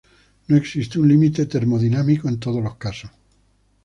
No existe un límite termodinámico en todos los casos.